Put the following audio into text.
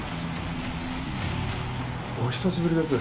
お久しぶりです